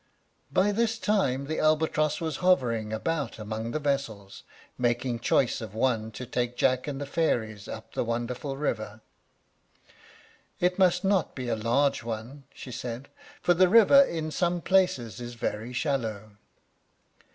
By this time the albatross was hovering about among the vessels, making choice of one to take Jack and the fairies up the wonderful river. "It must not be a large one," she said, "for the river in some places is very shallow."